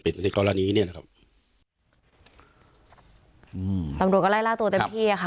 ในกรณีเนี้ยนะครับอืมตำรวจก็ไล่ล่าตัวเต็มที่อ่ะค่ะ